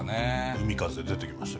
海風出てきました。